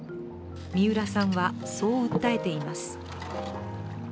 三浦さんは、そう訴えています。